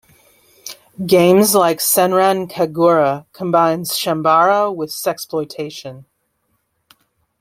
Games like Senran Kagura combines Chambara with sexploitation.